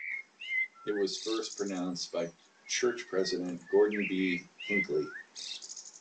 It was first announced by church president Gordon B. Hinckley.